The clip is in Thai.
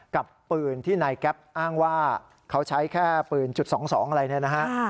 กับปืนที่นายแก๊ปอ้างว่าเขาใช้แค่ปืนจุด๒๒อะไรเนี่ยนะฮะ